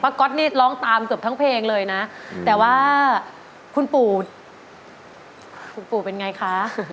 ก๊อตนี่ร้องตามเกือบทั้งเพลงเลยนะแต่ว่าคุณปู่คุณปู่เป็นไงคะ